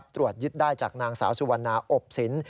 ตรวจยึดได้จากนางสาวสุวรรณาอบสิน